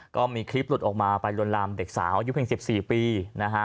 ก็มีคลิปหลดออกมาไปรนรามเด็กสาวอายุ๒๔ปีนะคะ